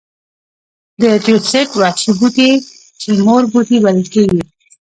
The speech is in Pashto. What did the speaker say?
د تیوسینټ وحشي بوټی چې مور بوټی بلل کېږي.